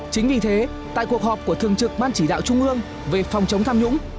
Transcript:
chính vì thế tại cuộc họp của thường trực ban chỉ đạo trung ương về phòng chống tham nhũng